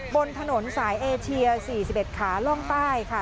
บนถนนสายเอเชีย๔๑ขาล่องใต้ค่ะ